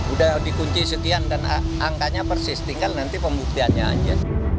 udah dikunci sekian dan angkanya persistikal nanti pembuktiannya aja